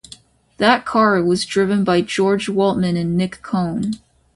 That car was driven by George Waltman and Nick Cone.